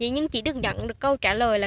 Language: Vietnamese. nhưng chỉ được nhận được câu trả lời là